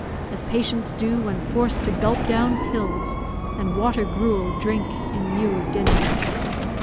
As patients do, when forced to gulp down pills, And water gruel drink in lieu of dinner).